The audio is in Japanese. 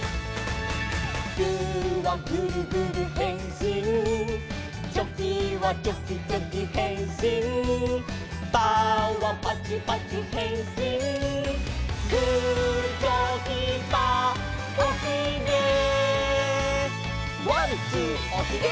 「グーはグルグルへんしん」「チョキはチョキチョキへんしん」「パーはパチパチへんしん」「グーチョキパーおひげ」「ワンツーおひげ！」